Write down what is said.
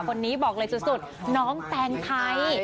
คนนี้บอกเลยสุดน้องแตงไทย